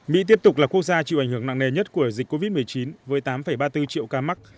mỹ tiếp tục là quốc gia chịu ảnh hưởng nặng nề nhất của dịch covid một mươi chín với tám ba mươi bốn triệu ca mắc